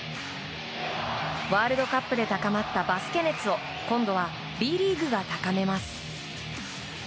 ワールドカップで高まったバスケ熱を今度はＢリーグが高めます。